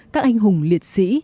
các anh hùng liệt sĩ